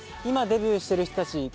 今デビューしてる人たち